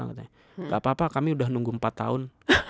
tidak apa apa kami udah nunggu empat tahun